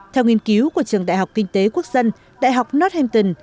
theo nghiên cứu của trường đại học kinh tế quốc dân đại học northampton